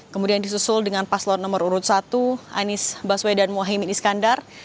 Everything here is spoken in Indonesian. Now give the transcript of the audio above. kemudian disusul dengan paslon nomor urut satu anies baswedan mohaimin iskandar